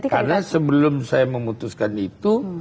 karena sebelum saya memutuskan itu